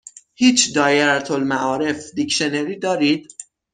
هیچ دائره المعارف دیکشنری دارید؟